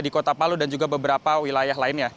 di kota palu dan juga beberapa wilayah lainnya